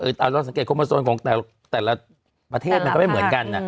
เราสังเกตโมโซนของแต่ละประเทศมันก็ไม่เหมือนกัน